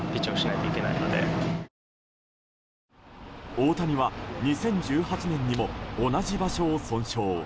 大谷は２０１８年にも同じ場所を損傷。